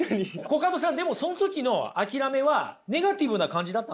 コカドさんでもその時の諦めはネガティブな感じだったんですか？